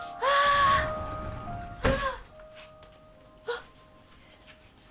あっ。